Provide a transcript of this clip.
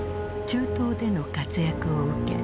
中東での活躍を受け